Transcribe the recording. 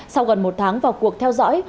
sau gần một tháng vào cuộc theo dõi